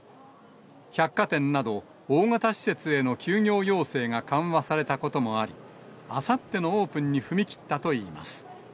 百貨店など、大型施設への休業要請が緩和されたこともあり、あさってのオープンに踏み切ったといいます。